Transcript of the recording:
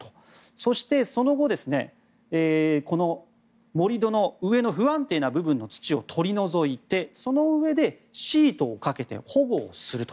そして、その後この盛り土の上の不安定な部分の土を取り除いてそのうえでシートをかけて保護をすると。